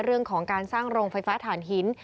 เรื่องของการสร้างโรงไฟฟ้าฐานหิน